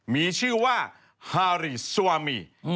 มีชื่อว่าฮารีซัวามี